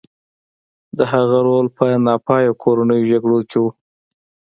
د هغه رول په ناپایه کورنیو جګړو کې و.